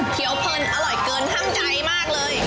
เขียวเพลินอร่อยเกินทั้งใจมากเลย